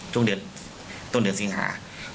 ช่วงเดือนต้นเดือนศิกแล้ว